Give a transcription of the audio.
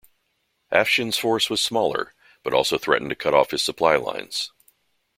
Afshin's force was smaller, but also threatened to cut off his supply lines.